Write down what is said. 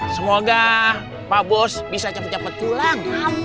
semoga pak bos bisa cepet cepet pulang